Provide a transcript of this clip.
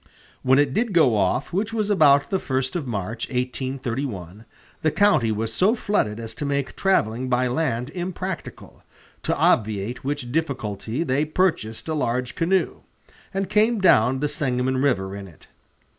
When it did go off, which was about the first of March, 1831, the county was so flooded as to make traveling by land impracticable, to obviate which difficulty they purchased a large canoe, and came down the Sangamon River in it.